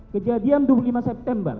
kejadian dua puluh lima september